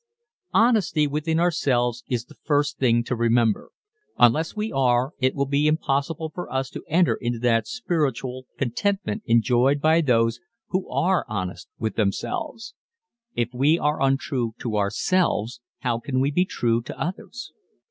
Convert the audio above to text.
Honesty with ourselves is the first thing to remember. Unless we are, it will be impossible for us to enter into that spiritual contentment enjoyed by those who are honest with themselves. If we are untrue to ourselves how can we be true to others?